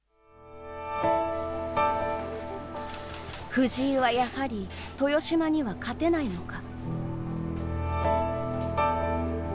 藤井はやはり豊島には勝てないのか。